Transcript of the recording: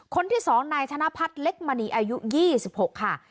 คนที่๒นายธนพัฒน์เล็กมณีอายุ๒๖ค่ะ